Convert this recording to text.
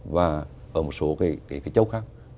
và ở một số cái châu khác